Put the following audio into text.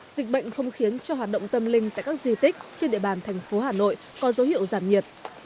dịch bệnh không khiến cho hoạt động tâm linh tại các di tích trên địa bàn thành phố hà nội có dấu hiệu giảm nhiệt